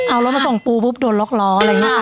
เอารถมาส่งปูปุ๊บโดนล็อกล้ออะไรอย่างนี้ค่ะ